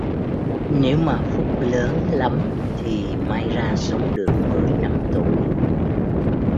Nếu mà phúc lớn lắm thì may ra sống được mười năm tuổi